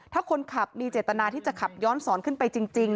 ถ้าคนขับมีเจตนาที่จะขับย้อนสอนขึ้นไปจริง